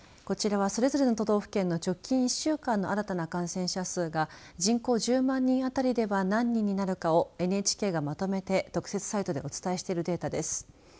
こちらは、それぞれの都道府県の直近１週間の新たな感染者数が人口１０万人あたりでは何人なるかをＮＨＫがまとめて特設サイトでお伝えしているデータです。